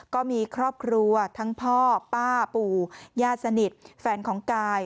ก็มีครอบครัวทั้งพ่อป้าปู่ญาติสนิทแฟนของกาย